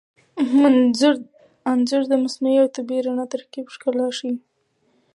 انځور د مصنوعي او طبیعي رڼا تر ترکیب ښکلا ښيي.